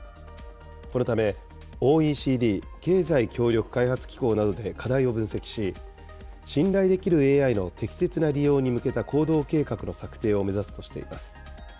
このため、ＯＥＣＤ・経済協力開発機構などで課題を分析し、信頼できるＡＩの適切な利用に向けた行動計画の策定を目指すとしています。